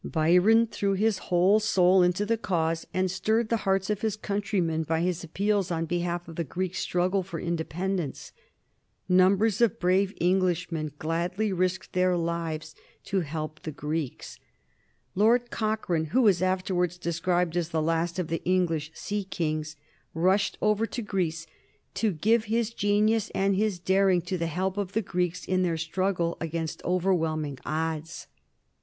Byron threw his whole soul into the cause, and stirred the hearts of his countrymen by his appeals on behalf of the Greek struggle for independence. Numbers of brave Englishmen gladly risked their lives to help the Greeks. Lord Cochrane, who was afterwards described as the last of the English sea kings, rushed over to Greece to give his genius and his daring to the help of the Greeks in their struggle against overwhelming odds.